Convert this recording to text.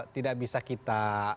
tidak bisa kita